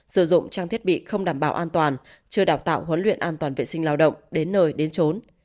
sử dụng trang thiết bị không đảm bảo an toàn chưa đào tạo huấn luyện an toàn vệ sinh lao động đến nơi đến trốn